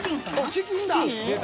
チキンだ！